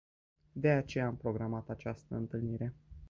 De aceea am programat această întâlnire.